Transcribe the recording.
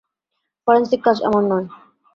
Forensic কাজ আমার নই।